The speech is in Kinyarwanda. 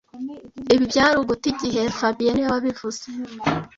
Ibi byari uguta igihe fabien niwe wabivuze